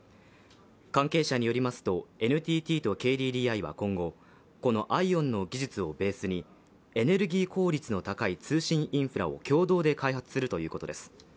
関係者によりますと、ＮＴＴとＫＤＤＩは今後、このＩＯＷＮの技術をベースにエネルギー効率の高い通信インフラを共同で開発するということです。